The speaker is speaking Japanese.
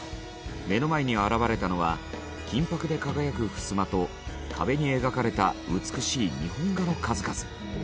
目の前に現れたのは金箔で輝く襖と壁に描かれた美しい日本画の数々。